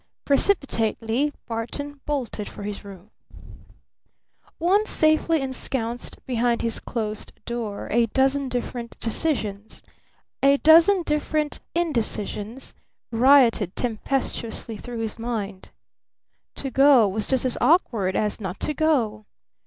Precipitately Barton bolted for his room. Once safely ensconced behind his closed door a dozen different decisions, a dozen different indecisions, rioted tempestuously through his mind. To go was just as awkward as not to go!